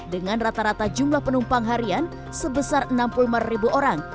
dengan rata rata jumlah penumpang harian sebesar enam puluh lima ribu orang